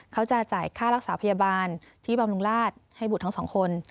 เขาจะจ่ายค่ารักษาพยาบาลที่บำรุงราชให้บุตรทั้งสองคน